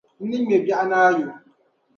N ni ŋme biɛɣunaayo.